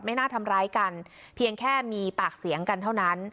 น่าทำร้ายกันเพียงแค่มีปากเสียงกันเท่านั้น